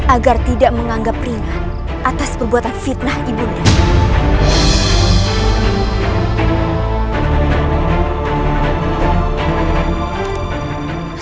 agar tidak menganggap ringan atas perbuatan fitnah ibu nera